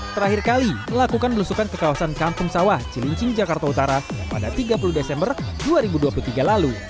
terakhir kali melakukan belusukan ke kawasan kampung sawah cilincing jakarta utara pada tiga puluh desember dua ribu dua puluh tiga lalu